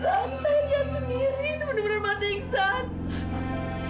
saya lihat sendiri itu benar benar masa iksan